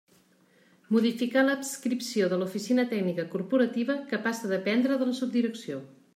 Modificar l'adscripció de l'Oficina Tècnica Corporativa, que passa a dependre de la Subdirecció.